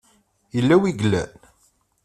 Yella wi i yellan?.